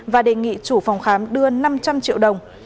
và đề nghị chủ phòng khám đưa năm trăm linh triệu đồng